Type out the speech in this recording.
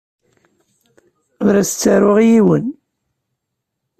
Ur as-ttaruɣ i yiwen.